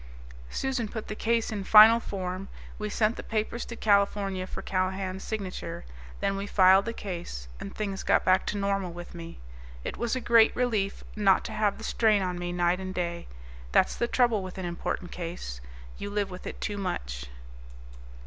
Susan put the case in final form. We sent the papers to California for Callahan's signature, then we filed the case, and things got back to normal with me. It was a great relief not to have the strain on me night and day. That's the trouble with an important case. You live with it too much.